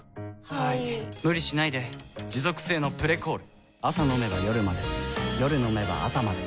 はい・・・無理しないで持続性の「プレコール」朝飲めば夜まで夜飲めば朝まで